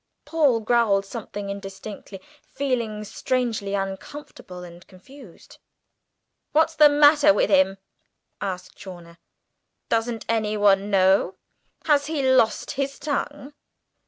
Paul growled something indistinctly, feeling strangely uncomfortable and confused. "What's the matter with him?" asked Chawner. "Does anyone know? Has he lost his tongue?"